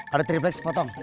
ada triplek sepotong